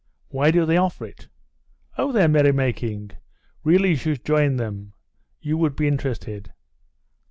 "Why do they offer it?" "Oh, they're merry making. Really, you should join them. You would be interested."